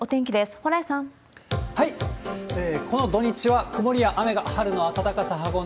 蓬莱さん。